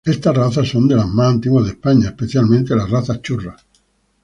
Estas razas son de las más antiguas de España, especialmente la raza churra.